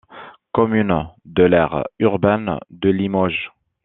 Commune de l'aire urbaine de Limoges.